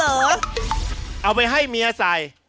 เอาไปให้เมียใส่